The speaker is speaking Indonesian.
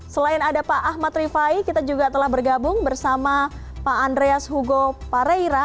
selain ada pak ahmad rifai kita juga telah bergabung bersama pak andreas hugo pareira